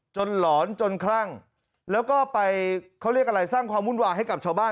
หลอนจนคลั่งแล้วก็ไปเขาเรียกอะไรสร้างความวุ่นวายให้กับชาวบ้าน